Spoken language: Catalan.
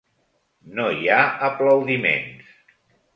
No hi ha aplaudiments.